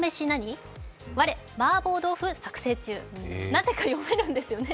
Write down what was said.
なぜか読めるんですよね。